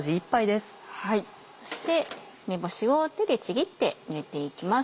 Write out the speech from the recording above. そして梅干しを手でちぎって入れていきます。